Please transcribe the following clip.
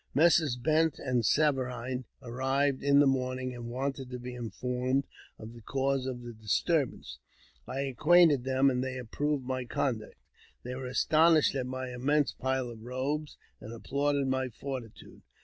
Messrs. Bent and Saverine arrived in the morning, and wanted to be informed of the cause of the disturbance. I acquainted them, and they approved my conduct. They were astonished at my immense pile of robes, and applauded my fortitude.